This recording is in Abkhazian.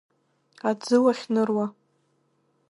Аӡы уахьныруа.